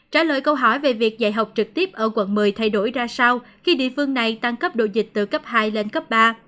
trả lời câu hỏi về việc dạy học trực tiếp ở quận một mươi thay đổi ra sao khi địa phương này tăng cấp độ dịch từ cấp hai lên cấp ba